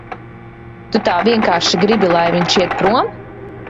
Tu tā vienkārši gribi, lai viņš iet prom?